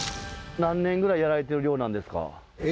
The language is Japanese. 何年ぐらいやられてる漁なんですか？